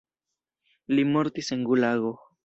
Li mortis en gulago.